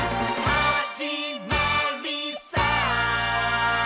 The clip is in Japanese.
「はじまりさー」